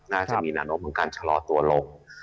น่าจะมีหนานมกับการฉลอตัวลง